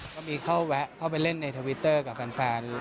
ก็มีเข้าแวะเข้าไปเล่นในทวิตเตอร์กับแฟน